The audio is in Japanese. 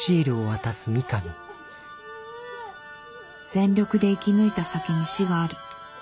全力で生き抜いた先に死がある。